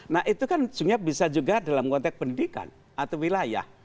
nah itu kan sebenarnya bisa juga dalam konteks pendidikan atau wilayah